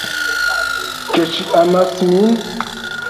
Ke ŝi amas min?